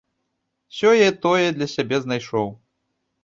Сёе-тое для сябе знайшоў.